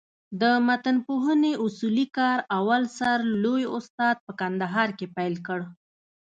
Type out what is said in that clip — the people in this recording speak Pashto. د متنپوهني اصولي کار اول سر لوى استاد په کندهار کښي پېل کړ.